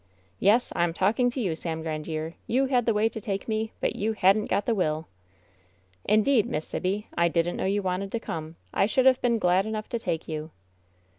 Yes 1 I'm talking to you, Sam Grandiere. You had the way to take me, but you hadn't got the will." "Indeed, Miss Sibby, I didn't know you wanted to come. I should have been glad enough to take you."